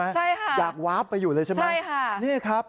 ใช่ค่ะใช่ค่ะอยากวาบไปอยู่เลยใช่ไหมนี่ครับ